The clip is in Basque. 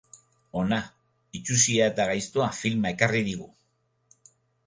Ona, itsusia eta gaiztoa filma ekarri digu.